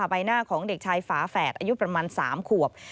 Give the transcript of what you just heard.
ใบหน้าของเด็กชายฝาแฝดอายุประมาณ๓ขวบ